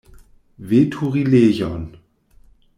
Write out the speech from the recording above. Veturilejon.